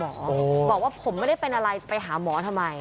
บอกว่าผมไม่ได้เป็นอะไรไปหาหมอทำไม